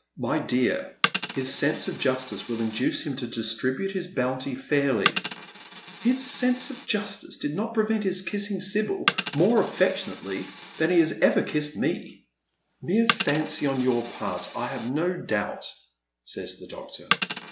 " My dear, his sense of justice will induce him to distribute his bounty f ahly." " His sense of justice did not prevent his kissing Sibyl raor* ftfEectionatelv than he has ever kissed me." Sibyl takes the Lead. 61 Mere fancy on your part, I have no doubt," says the doctor.